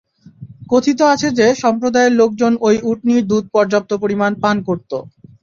কথিত আছে যে, সম্প্রদায়ের লোকজন ঐ উটনীটির দুধ পর্যাপ্ত পরিমাণ পান করত।